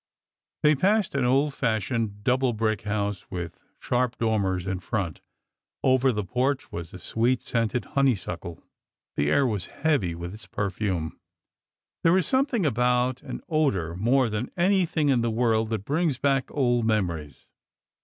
They passed an old fashioned, double brick house with sharp dormers in front. Over the porch was a sweet scented honeysuckle. The air was heavy with its per fume. There is something about an odor more than anything in the world that brings back old memories.